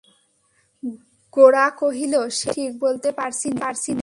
গোরা কহিল, সেটা আমি ঠিক বলতে পারছি নে।